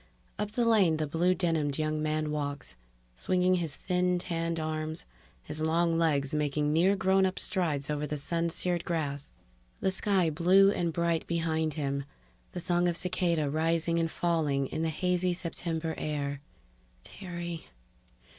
_ Up the lane the blue denimed young man walks, swinging his thin tanned arms, his long legs making near grownup strides over the sun seared grass; the sky blue and bright behind him, the song of cicada rising and falling in the hazy September air _Terry